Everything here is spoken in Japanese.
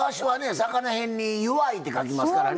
魚へんに弱いって書きますからね。